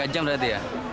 tiga jam berarti ya